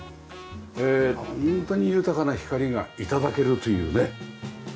ホントに豊かな光が頂けるというね。